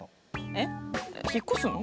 えっ引っ越すの？